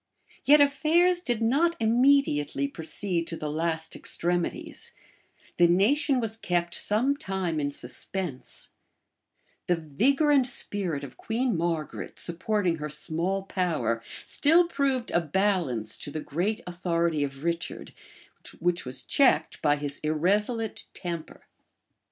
Yet affairs did not immediately proceed to the last extremities; the nation was kept some time in suspense; the vigor and spirit of Queen Margaret, supporting her small power, still proved a balance to the great authority of Richard, which was checked by his irresolute temper.